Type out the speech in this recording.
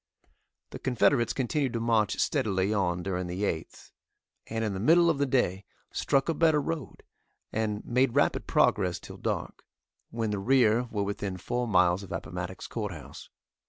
The Confederates continued to march steadily on during the 8th, and in the middle of the day struck a better road, and made rapid progress till dark, when the rear were within four miles of Appomattox Courthouse.